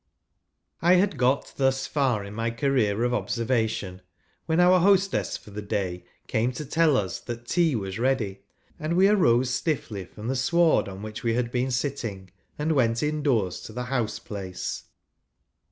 ! I had got thus far in my career of observa¬ tion when our hostess for the day came to tell us that tea was ready, and we arose stiffly from the sward on which we had been sitting, and went in doors to the house place.